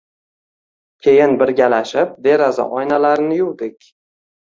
Keyin birgalashib, deraza oynalarini yuvdik